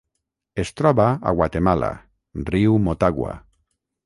Es troba a Guatemala: riu Motagua.